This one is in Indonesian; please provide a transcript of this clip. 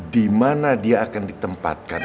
dimana dia akan ditempatkan